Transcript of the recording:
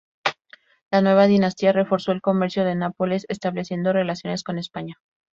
La nueva dinastía reforzó el comercio de Nápoles estableciendo relaciones con España.